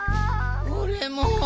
おれも。